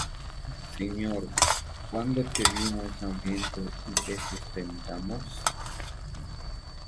Señor, ¿cuándo te vimos hambriento, y te sustentamos?